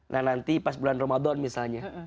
nah nanti pas bulan ramadan misalnya